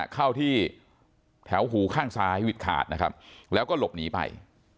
เข้าที่แถวหูข้างซ้ายวิดขาดนะครับแล้วก็หลบหนีไป